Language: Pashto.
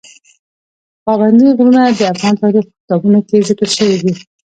پابندی غرونه د افغان تاریخ په کتابونو کې ذکر شوی دي.